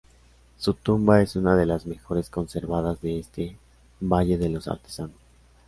Su tumba es una de las mejor conservadas en este "valle de los artesanos".